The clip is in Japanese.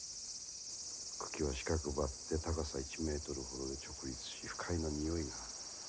「茎は四角ばって高さ１メートルほどに直立し不快な臭いがある」。